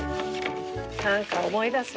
なんか思い出す。